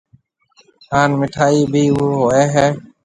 ھان مِٺائِي ڀِي ھوئيَ ھيََََ